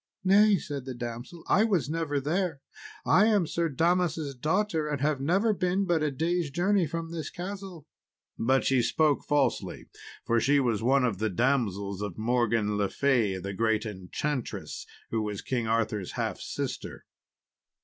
"Nay," said the damsel, "I was never there; I am Sir Damas' daughter, and have never been but a day's journey from this castle." But she spoke falsely, for she was one of the damsels of Morgan le Fay, the great enchantress, who was King Arthur's half sister.